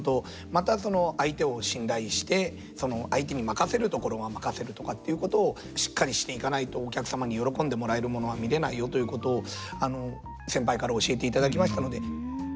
またその相手を信頼してその相手に任せるところは任せるとかっていうことをしっかりしていかないとお客様に喜んでもらえるものは見れないよということを先輩から教えていただきましたので。